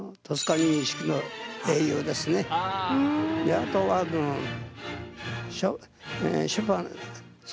あとはショパン。